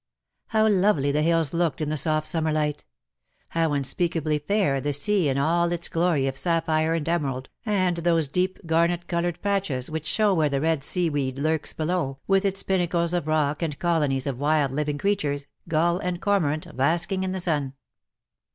How lovely the hills looked in the soft summer light ; how unspeakably fair the sea in all its glory of sapphire and emerald, and those deep garnet coloured patches whicli show where the red sea weed lurks below, with its pinnacles of rock and colonies of wiUl living creatures, gull and cormorant, basking in the sun.